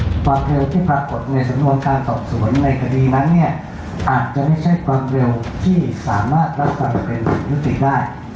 ความเร็วที่ปรากฏในสำนวนการสอบสวนในคดีนั้นเนี่ยอาจจะไม่ใช่ความเร็วที่สามารถรับความผิดยุติได้